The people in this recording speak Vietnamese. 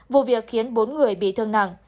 vụ việc khiến bốn người bị thương nặng